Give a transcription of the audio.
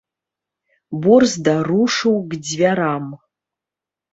Борзда рушыў к дзвярам.